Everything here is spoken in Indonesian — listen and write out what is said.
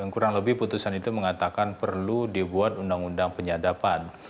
kurang lebih putusan itu mengatakan perlu dibuat undang undang penyadapan